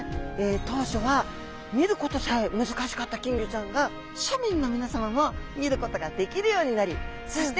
当初は見ることさえ難しかった金魚ちゃんが庶民のみなさまも見ることができるようになりそして